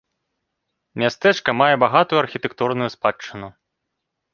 Мястэчка мае багатую архітэктурную спадчыну.